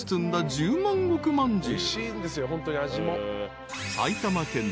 十万石まんじゅう。